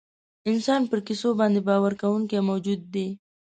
انسان پر کیسو باندې باور کوونکی موجود دی.